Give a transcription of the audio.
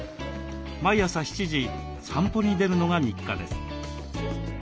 毎朝７時散歩に出るのが日課です。